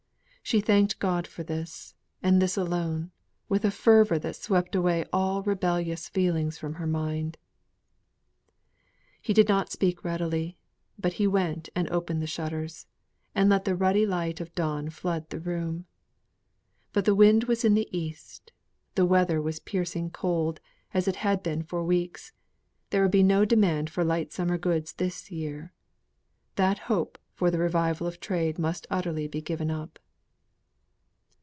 She thanked God for this, and this alone, with a fervour that swept away all rebellious feelings from her mind. He did not speak readily; but he went and opened the shutters, and let the ruddy light of dawn flood the room. But the wind was in the east; the weather was piercing cold, as it had been for weeks; there would be no demand for light summer goods this year. That hope for the revival of trade must utterly be given up.